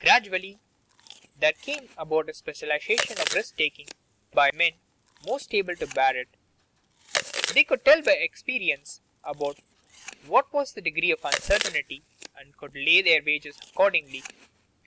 Gradually there came about a specialization of risk taking by the men most able to bear it. They could tell by experience about what was the degree of uncertainty, and could lay their wagers accordingly.